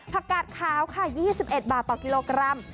กาดขาวค่ะ๒๑บาทต่อกิโลกรัม